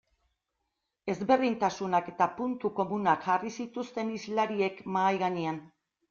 Ezberdintasunak eta puntu komunak jarri zituzten hizlariek mahai gainean.